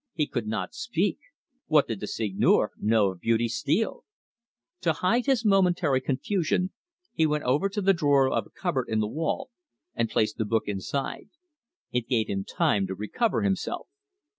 He could not speak. What did the Seigneur know of Beauty Steele? To hide his momentary confusion, he went over to the drawer of a cupboard in the wall, and placed the book inside. It gave him time to recover himself.